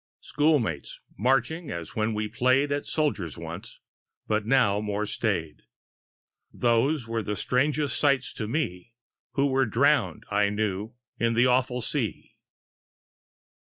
Schoolmates, marching as when we play'd At soldiers once but now more staid; Those were the strangest sight to me Who were drown'd, I knew, in the awful sea.